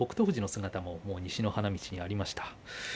富士の姿も西の花道にありました。